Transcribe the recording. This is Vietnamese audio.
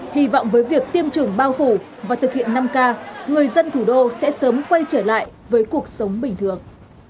hy vọng với việc tiêm chủng bao phủ và thực hiện năm k người dân thủ đô sẽ sớm quay trở lại với cuộc sống bình thường